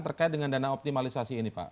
terkait dengan dana optimalisasi ini pak